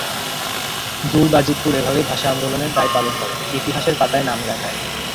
দূর বাজিতপুর এভাবেই ভাষা আন্দোলনের দায় পালন করে, ইতিহাসের পাতায় নাম লেখায়।